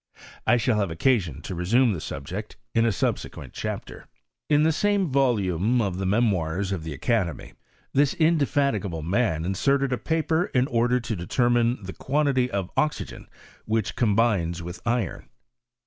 I shall have oc casion to resume the subject in a subsequent chapter. In the same volume of the Memoirs of the Acade Hiy, this indefatigable man inserted a paper in order |o determine the quantity of oxygen which combines with iron.